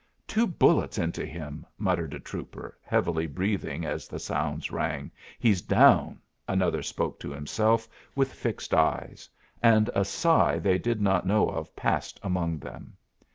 "Two bullets into him," muttered a trooper, heavily breathing as the sounds rang. "He's down," another spoke to himself with fixed eyes; and a sigh they did not know of passed among them.